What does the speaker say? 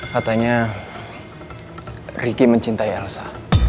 katanya riki mencintai elsa